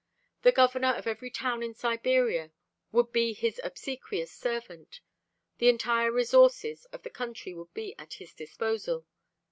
The governor of every town in Siberia would be his obsequious servant, the entire resources of the country would be at his disposal.